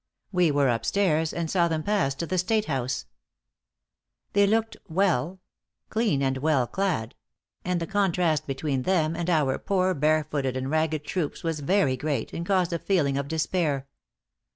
We were up stairs, and saw them pass to the State House. They looked well clean and well clad; and the contrast between them and our poor barefooted and ragged troops was very great, and caused a feeling of despair.